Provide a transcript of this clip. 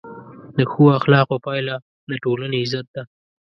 د ښو اخلاقو پایله د ټولنې عزت ده.